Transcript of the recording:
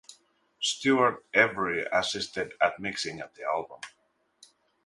Stewart Every assisted at mixing of the album.